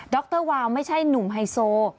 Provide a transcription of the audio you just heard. รวาวไม่ใช่หนุ่มไฮโซ